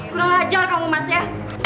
kurang hajar kamu mas ya